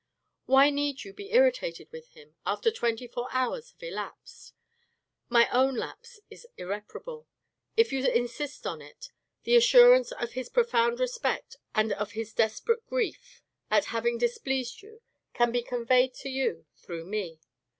" Why need you be irritated with him, after twenty four hours have elapsed ? My own lapse is irreparable. If you insist on it, the assurance of his profound respect and of bis desperate grief at THE TIGER 445 having displeased you, can be conveyed to you through me.